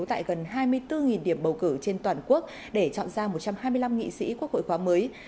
tại gần hai mươi bốn điểm bầu cử trên toàn quốc để chọn ra một trăm hai mươi năm nghị sĩ quốc hội khóa mới